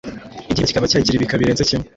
igihimba kikaba cyagira ibika birenze kimwe